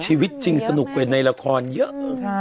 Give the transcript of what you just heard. ชีวิตจริงสนุกกว่าในละครเยอะ